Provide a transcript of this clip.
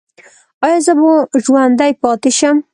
ایا زه به ژوندی پاتې شم؟